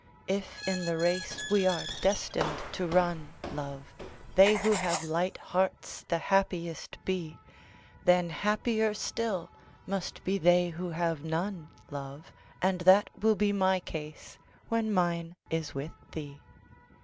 If in the race we are destined to run, love, They who have light hearts the happiest be, Then happier still must be they who have none, love. And that will be my case when mine is with thee.